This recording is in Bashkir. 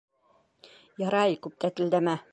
Ярай, күп тәтелдәмә...